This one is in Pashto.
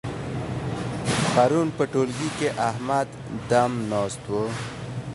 پرون په ټولګي کې احمد دم ناست وو.